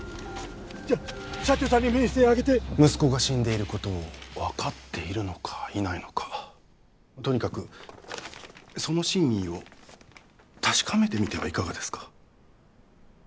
じゃ社長さんに見せてあげて息子が死んでいることを分かっているのかいないのかとにかくその真偽を確かめてみてはいかがですか？